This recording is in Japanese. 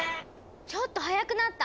ちょっと速くなった。